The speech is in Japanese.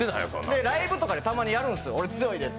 ライブとかでたまにやるんですよ、俺強いぜって。